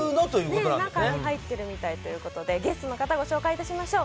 中に入ってるみたいということで、ゲストの方をご紹介しましょう。